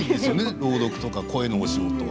朗読とか声のお仕事は。